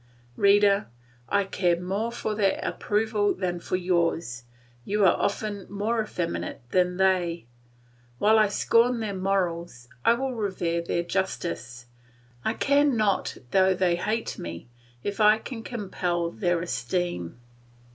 Reader, I care more for their approval than for yours; you are often more effeminate than they. While I scorn their morals, I will revere their justice; I care not though they hate me, if I can compel their esteem.